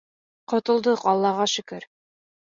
Ҡотолдоҡ, Аллаға шөкөр!